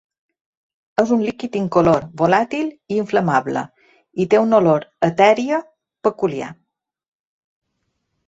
És un líquid incolor, volàtil i inflamable i té una olor etèria peculiar.